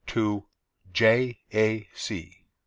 TO J. A. C.